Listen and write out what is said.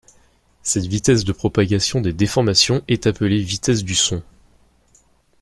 Cette vitesse de propagation des déformations est appelée vitesse du son.